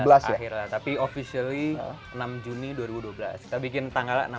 dua ribu sebelas akhir lah tapi officially enam juni dua ribu dua belas kita bikin tanggalnya enam ribu enam ratus dua belas